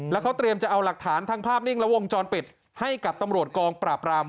แล้วเขาเตรียมจะเอาหลักฐานทั้งภาพนิ่งและวงจรปิดให้กับตำรวจกองปราบราม